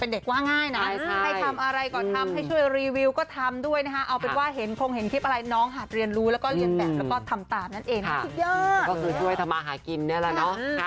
โดยวัยประมาณนี้ก็สามารถทำงานช่วยแม่ทำงานได้เยอะมากเลย